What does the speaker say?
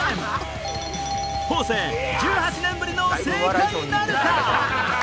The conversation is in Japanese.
方正１８年ぶりの正解なるか？